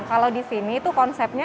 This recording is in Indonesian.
kalau di sini itu konsepnya